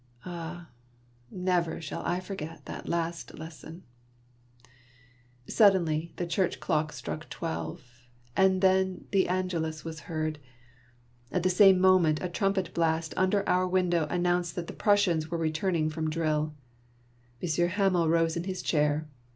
jMJT never shall I forget that last lesson ! Suddenly the church clock struck twelve, and then the Angelus was heard. 8 Monday Tales, At the same moment, a trumpet blast under our window announced that the Prussians were return ing from drill. Monsieur Hamel rose in his chair.